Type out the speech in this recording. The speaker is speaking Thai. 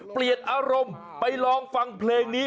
เปลี่ยนอารมณ์ไปลองฟังเพลงนี้